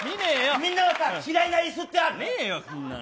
みんなはさ、嫌いないすってねえよ、そんなの。